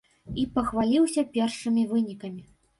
І пахваліўся першымі вынікамі.